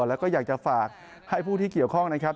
แล้วก็อยากจะฝากให้ผู้ที่เกี่ยวข้องนะครับ